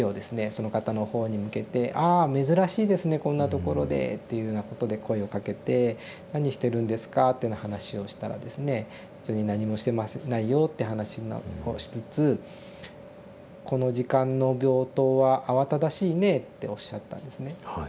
そのかたのほうに向けて「ああ珍しいですねこんなところで」っていうようなことで声をかけて「何してるんですか？」というような話をしたらですね「別に何もしてないよ」って話をしつつ「この時間の病棟は慌ただしいね」っておっしゃったんですね。